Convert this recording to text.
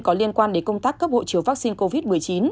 có liên quan đến công tác cấp hộ chiếu vaccine covid một mươi chín